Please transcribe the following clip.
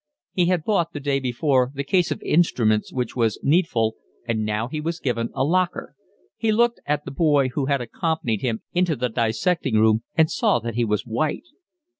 He had bought the day before the case of instruments which was needful, and now he was given a locker. He looked at the boy who had accompanied him into the dissecting room and saw that he was white.